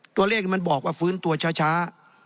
ตัวเลขมันบอกว่าฟื้นตัวช้า